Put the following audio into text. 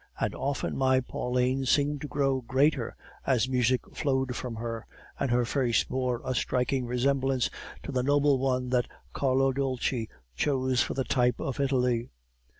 And often my Pauline seemed to grow greater, as music flowed from her, and her face bore a striking resemblance to the noble one that Carlo Dolci chose for the type of Italy.